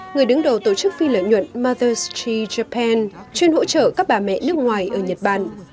người đứng đầu tổ chức phi lợi nhuận mothers tree japan chuyên hỗ trợ các bà mẹ nước ngoài ở nhật bản